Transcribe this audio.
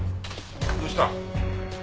どうした？